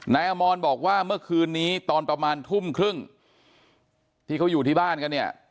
อมรบอกว่าเมื่อคืนนี้ตอนประมาณทุ่มครึ่งที่เขาอยู่ที่บ้านกันเนี่ย